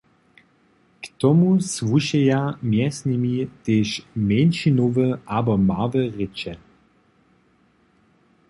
K tomu słušeja mjez nimi tež mjeńšinowe abo małe rěče.